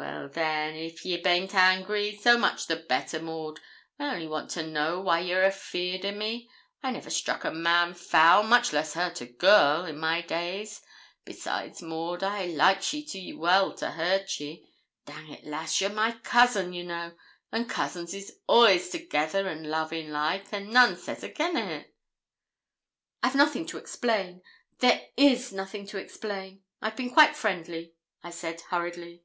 'Well then, if ye baint angry, so much the better, Maud. I only want to know why you're afeard o' me. I never struck a man foul, much less hurt a girl, in my days; besides, Maud, I likes ye too well to hurt ye. Dang it, lass, you're my cousin, ye know, and cousins is all'ays together and lovin' like, an' none says again' it.' 'I've nothing to explain there is nothing to explain. I've been quite friendly,' I said, hurriedly.